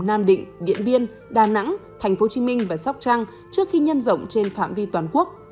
nam định điện biên đà nẵng tp hcm và sóc trăng trước khi nhân rộng trên phạm vi toàn quốc